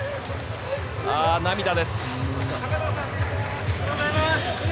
涙です。